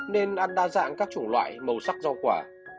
nên ăn đa dạng các chủng loại màu sắc rau quả